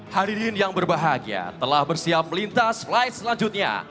hadirin yang berbahagia telah bersiap melintas flight selanjutnya